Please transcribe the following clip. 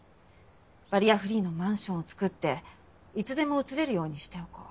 バリアフリーのマンションを造っていつでも移れるようにしておこう。